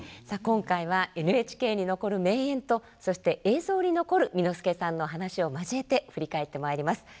さあ今回はＮＨＫに残る名演とそして映像に残る簑助さんの話を交えて振り返ってまいります。